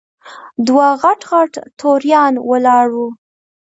دوه غټ غټ توریان ولاړ وو.